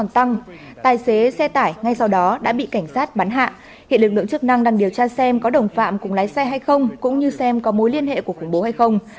tài xế xe tải ngay sau đó đã bị cảnh sát bắn hạ hiện lực lượng chức năng đang điều tra xem có đồng phạm cùng lái xe hay không cũng như xem có mối liên hệ của khủng bố hay không